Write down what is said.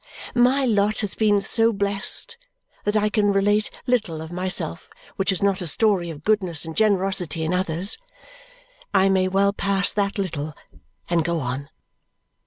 My lot has been so blest that I can relate little of myself which is not a story of goodness and generosity in others. I may well pass that little and go on.